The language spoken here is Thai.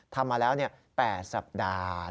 ทำมาแล้ว๘สัปดาห์